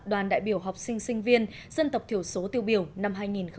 đoàn đại biểu học sinh sinh viên dân tộc thiểu số tiêu biểu năm hai nghìn một mươi chín